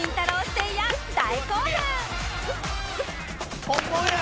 せいや大興奮！